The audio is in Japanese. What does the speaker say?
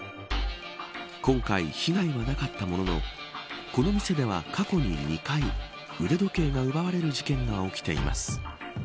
今回、被害はなかったもののこの店では過去に２回腕時計が奪われる事件が起きています。